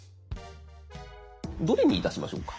どれにいたしましょうか？